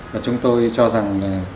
và chúng tôi cho rằng